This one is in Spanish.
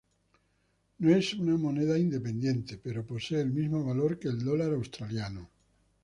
No es una moneda independiente pero posee el mismo valor que el dólar australiano.